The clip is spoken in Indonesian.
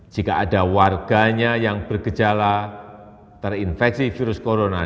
jika ada warganya yang bergejala terinfeksi virus corona